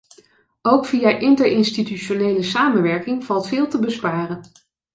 Ook via interinstitutionele samenwerking valt veel te besparen.